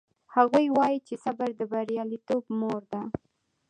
هغوی وایي چې صبر د بریالیتوب مور ده